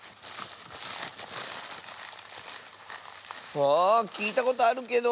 あきいたことあるけど。